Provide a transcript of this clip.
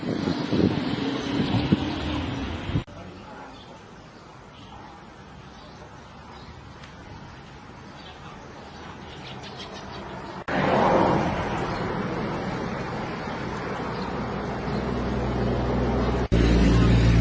พยายามวัฏสตรีเกือบแห่งตั้งแต่น้ำเป็นตั้งใจจัง